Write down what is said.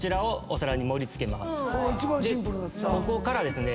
ここからですね